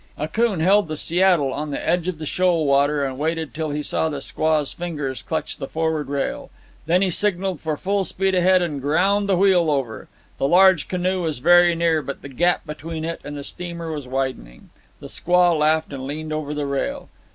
Akoon held the Seattle on the edge of the shoal water and waited till he saw the squaw's fingers clutch the forward rail. Then he signalled for full speed ahead and ground the wheel over. The large canoe was very near, but the gap between it and the steamer was widening. The squaw laughed and leaned over the rail.